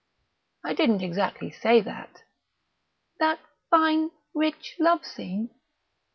"I didn't exactly say that." "That fine, rich love scene?"